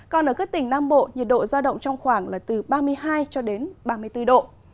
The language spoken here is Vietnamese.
còn ở các tỉnh nam bộ nhiệt độ ra động trong khoảng là từ ba mươi hai ba mươi bốn độ